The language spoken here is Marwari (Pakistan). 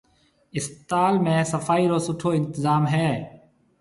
اسپتال ۾ صفائي رو سُٺو انتظام ھيََََ